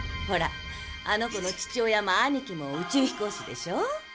⁉ほらあの子の父親も兄貴も宇宙飛行士でしょ。